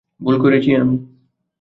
ভুল করেছি আমি।